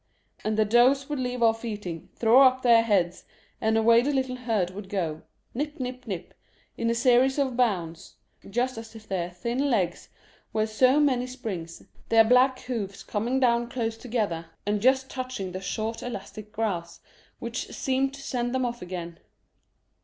and the does would leave off eating, throw up their heads, and away the little herd would go, nip nip nip, in a series of bounds, just as if their thin legs were so many springs, their black hoofs coming down close together and just touching the short elastic grass, which seemed to send them off again.